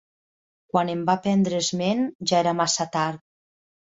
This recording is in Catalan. Quan en va prendre esment ja era massa tard.